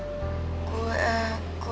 jangan lupa ngebantuin aku